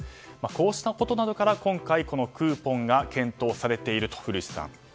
こうしたことなどから、今回クーポンが検討されていると。